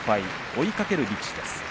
追いかける力士です。